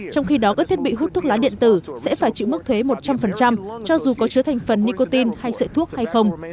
trong khi đó các thiết bị hút thuốc lá điện tử sẽ phải chịu mức thuế một trăm linh cho dù có chứa thành phần nicotine hay sợi thuốc hay không